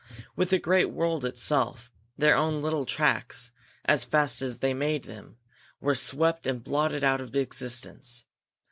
With the great world itself, their own little tracks, as fast as they made them, were swept and blotted out of existence.